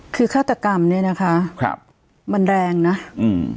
คือฆาตกรรมเนี้ยนะคะครับมันแรงนะอืม